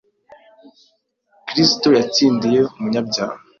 Kristo yatsindiye umunyabyaha.